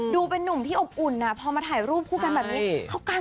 ดูเป็นนุ่มที่อบอุ่นพอมาถ่ายรูปคู่กันแบบนี้